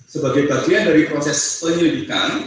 sebagai bagian dari proses penyelidikan